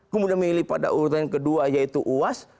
kemudian memilih pada urutan kedua yaitu uas